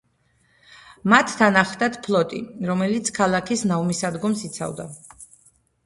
მათ თან ახლდათ ფლოტი, რომელიც ქალაქის ნავმისადგომს იცავდა.